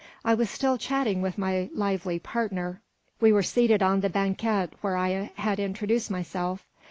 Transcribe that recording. I was still chatting with my lively partner. We were seated on the banquette where I had introduced myself.